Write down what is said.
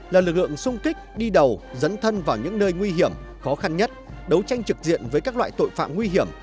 là lực lượng sung kích đi đầu dấn thân vào những nơi nguy hiểm khó khăn nhất đấu tranh trực diện với các loại tội phạm nguy hiểm